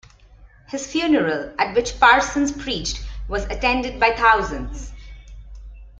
His funeral, at which Parsons preached, was attended by thousands.